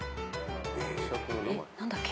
えっ何だっけ？